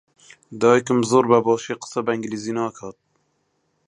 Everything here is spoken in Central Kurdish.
دایکم زۆر بەباشی قسە بە ئینگلیزی ناکات.